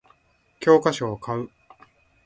教科書を買う